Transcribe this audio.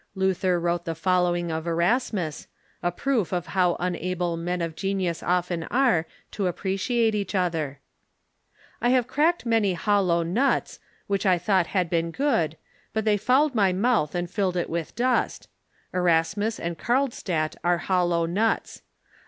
Luther wrote the following of Erasmus, a proof of how unable men of genius often are to appreciate each other :" I have cracked many hollow nuts, Avhich I thought had been good, but they fouled my mouth and tilled it with dust : Erasmus and Carlstadt are hollow nuts.